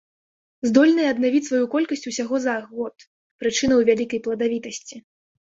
Здольныя аднавіць сваю колькасць усяго за год, прычына ў вялікай пладавітасці.